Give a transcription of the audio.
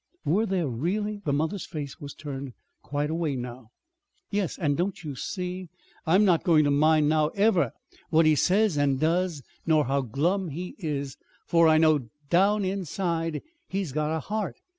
"Were there really?" The mother's face was turned quite away now. "Yes. And don't you see? I'm not going to mind now ever what he says and does, nor how glum he is; for I know down inside, he's got a heart.